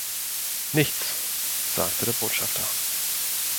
„Nichts“, sagte der Botschafter.